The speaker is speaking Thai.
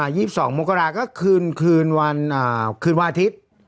อ่า๒๒มกราก็คืนวันอาทิตย์